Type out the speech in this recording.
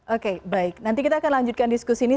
oke baik nanti kita akan lanjutkan diskusi ini